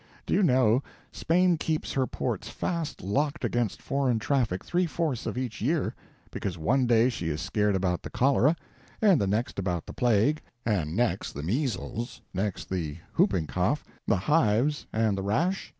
Do you know, Spain keeps her ports fast locked against foreign traffic three fourths of each year, because one day she is scared about the cholera, and the next about the plague, and next the measles, next the hooping cough, the hives, and the rash?